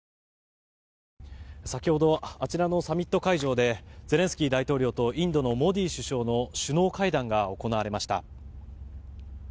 先ほどあちらのサミット会場でゼレンスキー大統領とインドのモディ首相の首脳会談が行われました。